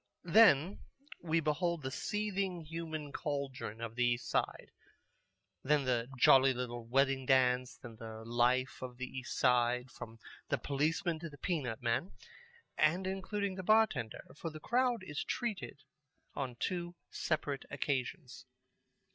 Then we behold the seething human cauldron of the East Side, then the jolly little wedding dance, then the life of the East Side, from the policeman to the peanut man, and including the bar tender, for the crowd is treated on two separate occasions.